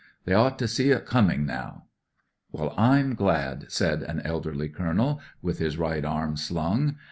They ought to see it coming, now." "WeU, I'm glad," said an elderly Colonel, with his right arm slung.